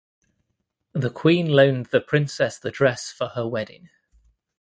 The Queen loaned the princess the dress for her wedding.